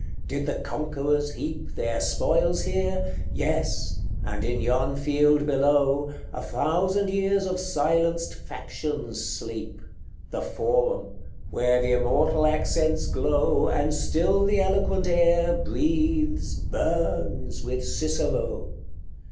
Did the Conquerors heap Their spoils here? Yes; and in yon field below, A thousand years of silenced factions sleep The Forum, where the immortal accents glow, And still the eloquent air breathes burns with Cicero!